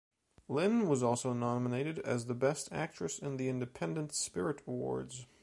Lynn was also nominated as the best actress in the Independent Spirit Awards.